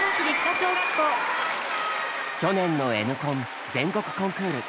去年の「Ｎコン」全国コンクール。